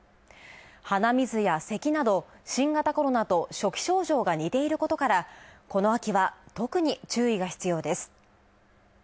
鼻水やせきなど新型コロナと初期症状が似ていることから、この秋は特に注意が必要です。